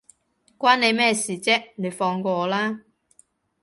關你咩事啫，你放過我啦